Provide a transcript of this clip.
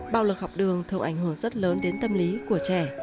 bạo lực học đường thường ảnh hưởng rất lớn đến tâm lý của trẻ